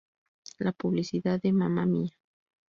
La publicidad de "Mamma Mia!